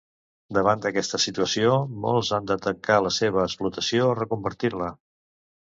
Davant aquesta situació, molts han de tancar la seva explotació o reconvertir-la.